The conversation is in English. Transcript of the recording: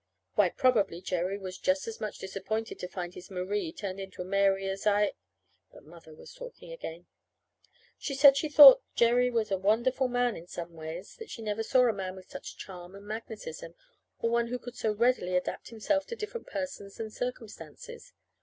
Why, probably Jerry was just as much disappointed to find his Marie turned into a Mary as I But Mother was talking again. She said that she thought Jerry was a wonderful man, in some ways; that she never saw a man with such charm and magnetism, or one who could so readily adapt himself to different persons and circumstances.